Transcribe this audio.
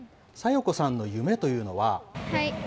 咲代子さんの夢というのは。